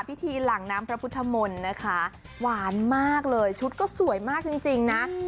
หลังน้ำพระพุทธมนต์นะคะหวานมากเลยชุดก็สวยมากจริงนะ